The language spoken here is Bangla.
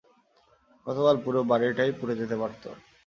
গতকাল পুরো বাড়িটাই পুড়ে যেতে পারতো।